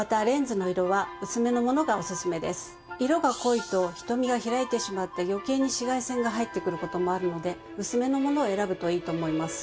色が濃いと瞳が開いてしまって余計に紫外線が入ってくる事もあるので薄めのものを選ぶといいと思います。